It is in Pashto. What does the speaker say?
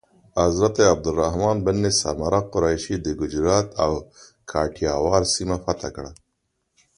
حضرت عبدالرحمن بن سمره قریشي د ګجرات او کاټیاواړ سیمه فتح کړه.